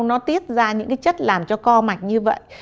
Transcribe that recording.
nó tiết ra những cái chất làm cho co mạch như vậy